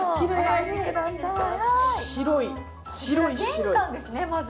玄関ですね、まず。